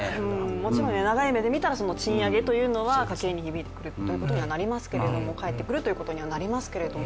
もちろん長い目で見たら賃上げというのは家計に響いてくる返ってくるということにはなりますけれども。